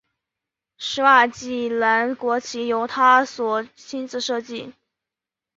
史瓦济兰国旗由他所亲自设计。